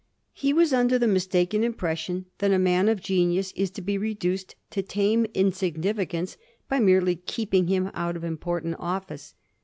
He was imder the mistaken impression that a man of genius is to be reduced to tame insignificance by merely keeping him out of important office.